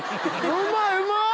うまいうまっ！